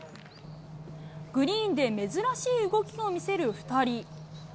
グリーンで珍しい動きを見せる２人。